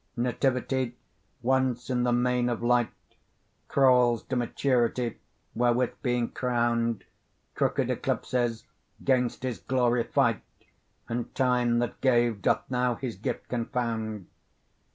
Nativity, once in the main of light, Crawls to maturity, wherewith being crown'd, Crooked eclipses 'gainst his glory fight, And Time that gave doth now his gift confound.